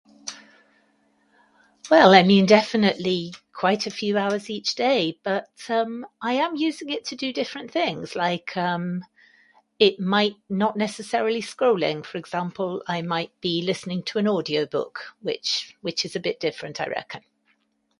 Well, that'd be definitely quite a few hours each day. But, um, I am using it to do different things. Like, um, it might, not necessarily scrolling. For example, I might be listening to an audio book, which, which is a bit different, I reckon.